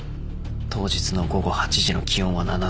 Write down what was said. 当日の午後８時の気温は７℃。